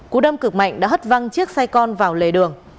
cú đâm cực mạnh đã hất văng chiếc xe con vào lề đường